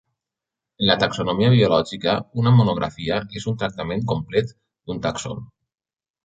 En la taxonomia biològica una monografia és un tractament complet d'un tàxon.